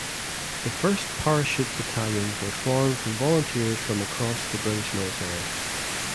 The first parachute battalions were formed from volunteers from across the British military.